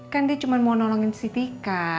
kan dia cuma mau nolongin si tika